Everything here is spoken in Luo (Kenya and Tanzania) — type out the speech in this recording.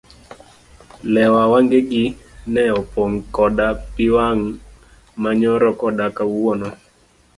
Lewa wengegi ne opong' koda pii wang' ma nyoro koda kawuono.